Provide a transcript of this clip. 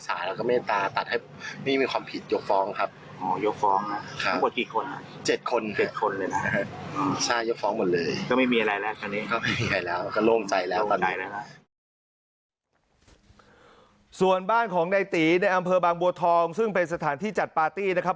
สารแล้วก็มเอยคตาตัดให้ไม่มีความผิดยกฟองครับอ๋อ